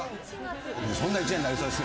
そんな一年になりそうです。